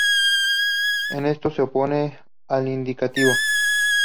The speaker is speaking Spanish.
En esto se opone al indicativo.